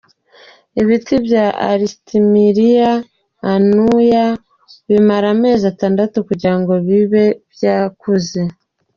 Ibiti bya Artemisia annua bimara amezi atandatu kugira ngo bibe byakuze.